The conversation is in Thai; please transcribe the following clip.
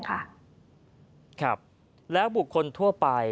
ครับแล้วบุคคลทั่วไป